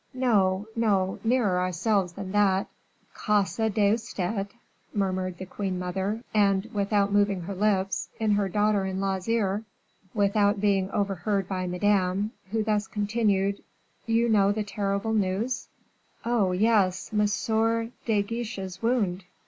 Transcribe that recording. "No, no; nearer ourselves than that." "Casa de usted," murmured the queen mother, and without moving her lips, in her daughter in law's ear, without being overheard by Madame, who thus continued: "You know the terrible news?" "Oh, yes; M. de Guiche's wound."